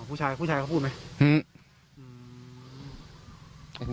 ผู้ชายเขาพูดไหม